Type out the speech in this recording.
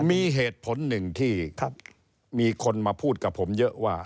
มีเหตุผลหนึ่งที่มีคนมาพูดกับผมเยอะว่า